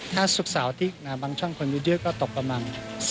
ถ้าสุขสาวที่บางช่วงคนยืดก็ตกประมาณ๔๕๐๐๐